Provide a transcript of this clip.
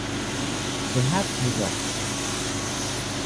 Perhaps I don't.